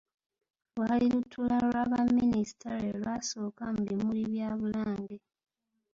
Lwali lutuula lwa Baminisita lwe lwasooka mu bimuli bya Bulange.